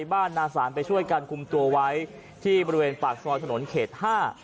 นาศาลไปช่วยกันคุมตัวไว้ที่บริเวณปากซอยถนนเขตห้า